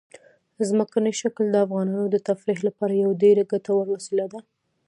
ځمکنی شکل د افغانانو د تفریح لپاره یوه ډېره ګټوره وسیله ده.